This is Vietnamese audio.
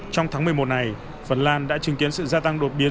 trong tháng một mươi một này phần lan đã chứng kiến sự gia tăng đột biến